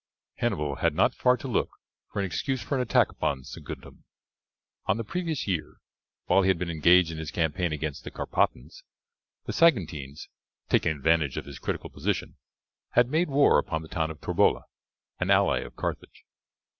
Hannibal had not far to look for an excuse for an attack upon Saguntum. On the previous year, while he had been engaged in his campaign against the Carpatans, the Saguntines, taking advantage of his critical position, had made war upon the town of Torbola, an ally of Carthage.